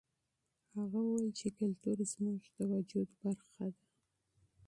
هغه وویل چې کلتور زموږ د وجود برخه ده.